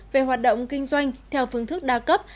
về hoạt động kinh doanh theo phương thức đa cấp